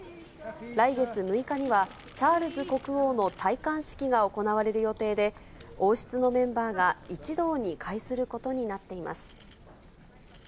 来月６日にはチャールズ国王の戴冠式が行われる予定で、王室のメンバーが一堂に会することになっています。